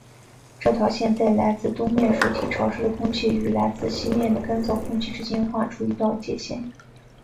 这条线在来自东面水体潮湿的空气与来自西面的干燥空气之间划出一道界限。